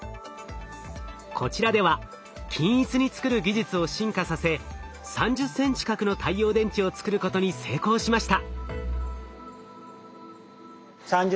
こちらでは均一に作る技術を進化させ３０センチ角の太陽電池を作ることに成功しました。